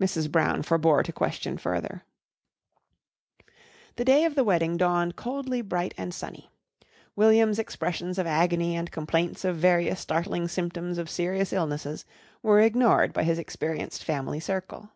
Mrs. Brown forebore to question further. The day of the wedding dawned coldly bright and sunny. William's expressions of agony and complaints of various startling symptoms of serious illnesses were ignored by his experienced family circle.